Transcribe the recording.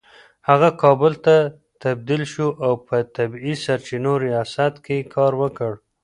هغه کابل ته تبدیل شو او په طبیعي سرچینو ریاست کې يې کار وکړ